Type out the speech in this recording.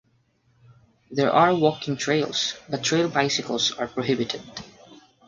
There are walking trails, but trail bicycles are prohibited.